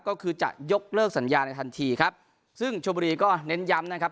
ก็คือจะยกเลิกสัญญาในทันทีครับซึ่งชมบุรีก็เน้นย้ำนะครับ